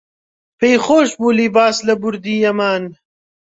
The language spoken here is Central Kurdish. پێی خۆش بوو لیباس لە بوردی یەمان